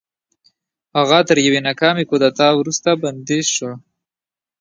هغه تر یوې ناکامې کودتا وروسته بندي شو.